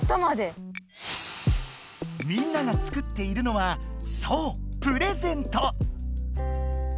みんなが作っているのはそうプレゼント！